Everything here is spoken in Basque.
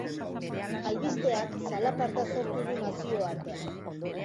Albisteak zalaparta sortu du nazioartean.